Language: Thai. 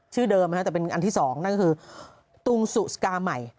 ชื่อเดิมแต่เป็นอันที่๒นั่นก็คือตุงสุสกาใหม่